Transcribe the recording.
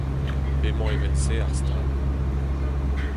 p'emañ evel-se ar stal